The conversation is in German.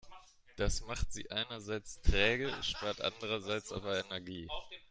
Das macht sie einerseits träge, spart andererseits aber Energie.